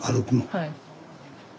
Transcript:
はい。